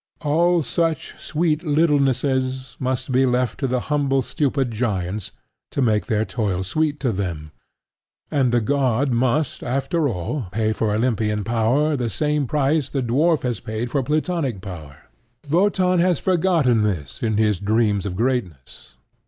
All such sweet littlenesses must be left to the humble stupid giants to make their toil sweet to them; and the god must, after all, pay for Olympian power the same price the dwarf has paid for Plutonic power. Wotan has forgotten this in his dreams of greatness.